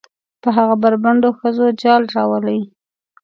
په هغه بربنډو ښځو جال روالي.